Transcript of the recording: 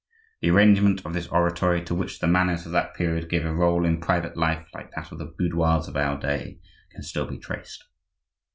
The arrangement of this oratory, to which the manners of that period gave a role in private life like that of the boudoirs of our day, can still be traced.